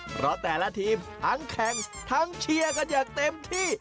เพราะแต่ละทีมทั้งแข่งทั้งเชียร์กันอย่างเต็มที่